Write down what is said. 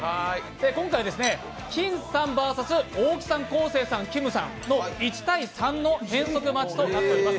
今回、金さんＶＳ大木さん、昴生さんきむさんの対決となっております。